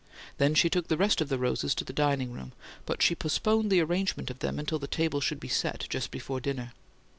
Then she took the rest of the roses to the dining room; but she postponed the arrangement of them until the table should be set, just before dinner.